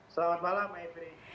selamat malam mbak ibrie